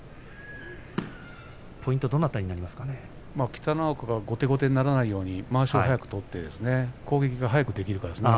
北の若が後手後手にならないように、まわしを早く取って攻撃を早くできるかどうかですね。